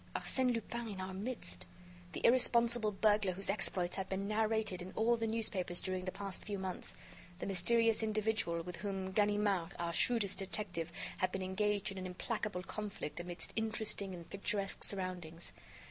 Arsène Lupin in our midst! the irresponsible burglar whose exploits had been narrated in all the newspapers during the past few months! the mysterious individual with whom Ganimard, our shrewdest detective, had been engaged in an implacable conflict amidst interesting and picturesque surroundings.